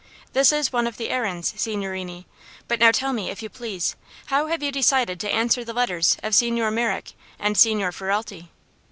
This is one of the errands, signorini. But now tell me, if you please, how have you decided to answer the letters of Signor Merrick and Signor Ferralti?"